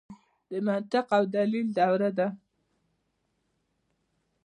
د منطق او دلیل دوره ده.